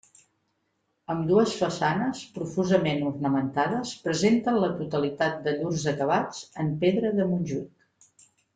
Ambdues façanes, profusament ornamentades, presenten la totalitat de llurs acabats en pedra de Montjuïc.